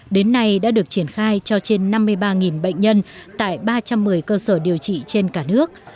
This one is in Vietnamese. đến nay đã được triển khai cho trên năm mươi ba người